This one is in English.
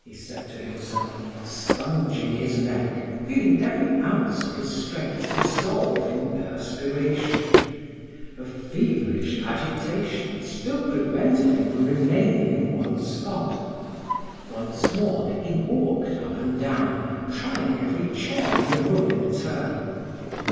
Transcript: he said to himself, sponging his neck, feeling every ounce of his strength dissolve in perspiration; a feverish agitation still prevented him from remaining in one spot; once more he walked up and down, trying every chair in the room in turn.